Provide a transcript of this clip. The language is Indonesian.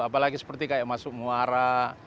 apalagi seperti kayak masuk muara